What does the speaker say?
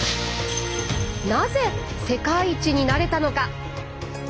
なぜ世界一になれたのか？